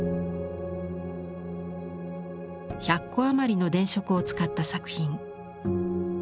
１００個余りの電飾を使った作品。